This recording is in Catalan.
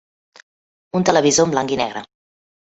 Un televisor en blanc i negre.